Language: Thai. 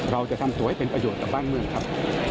เราจะทำตัวให้เป็นประโยชน์กับบ้านเมืองครับ